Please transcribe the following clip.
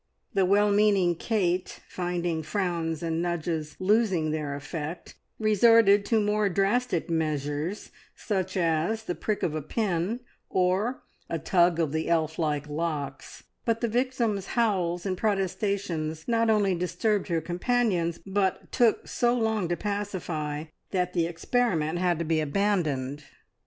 The well meaning Kate, finding frowns and nudges losing their effect, resorted to more drastic measures, such as the prick of a pin, or a tug of the elf like locks; but the victim's howls and protestations not only disturbed her companions, but took so long to pacify that the experiment had to be abandoned.